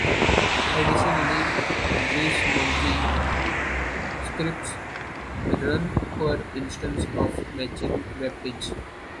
Additionally, Greasemonkey scripts run per instance of a matching webpage.